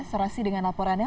serasi dengan laporannya